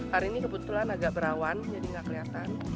hari ini kebetulan agak berawan jadi nggak kelihatan